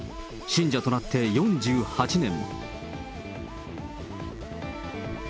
信者となって４８年。